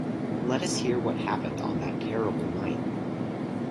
Let us hear what happened on that terrible night.